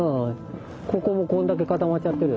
ここもこんだけ固まっちゃってる。